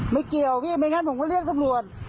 ไม่เกี่ยวพี่ไม่งั้นผมก็เรียกตำรวจ